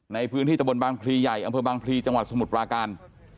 ในพื้นที่ตะบนบางพลีใหญ่อำเภอบางพลีจังหวัดสมุทรปราการ